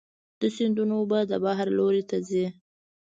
د سیندونو اوبه د بحر لور ته ځي.